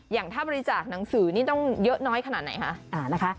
อย่างถ้าบริจาคหนังสือนี่ต้องเยอะน้อยขนาดไหนคะนะคะ